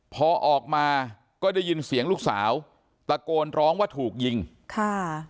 พอออกมาก็ได้ยินเสียงลูกสาวตะโกนร้องว่าถูกยิงค่ะ